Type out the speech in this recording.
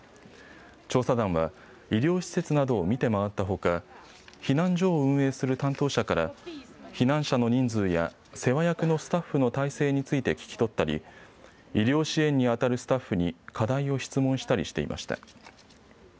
調査団は医療施設などを見て回ったほか、避難所を運営する担当者から避難者の人数や世話役のスタッフの態勢について聞き取ったり医療支援にあたるスタッフに課題を質問したりしていました。